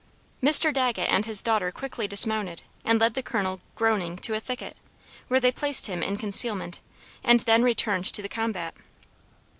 Mr. Dagget and his daughter quickly dismounted, and led the Colonel, groaning, to a thicket, where they placed him in concealment, and then returned to the combat.